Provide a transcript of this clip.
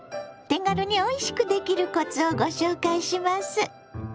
手軽においしくできるコツをご紹介します。